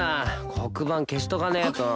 黒板消しとかねえと。